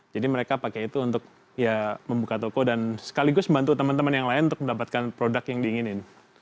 jadi mereka pakai itu untuk ya membuka toko dan sekaligus membantu teman teman yang lain untuk mendapatkan produk yang diinginin